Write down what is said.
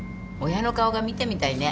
親の顔が見てみたいね